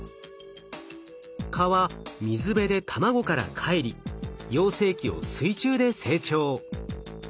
蚊は水辺で卵からかえり幼生期を水中で成長。